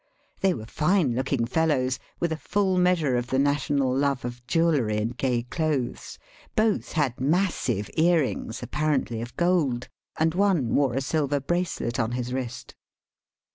They were fine looking fellows, with a full measure of the national love of jewellery and gay clothes. Both had massive earrings, apparently of gold, and one wore a silver bracelet on his wrist.